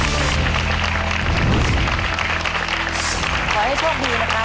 ตัวเลือกที่๔พระเทพสิทธินายกครับ